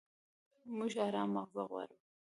موږ ارام ماغزه غواړو.